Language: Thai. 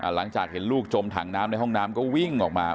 หลังจากเห็นลูกจมถังน้ำในห้องน้ำก็วิ่งออกมา